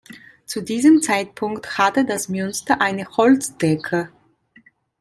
Zu diesem Zeitpunkt hatte das Münster eine Holzdecke.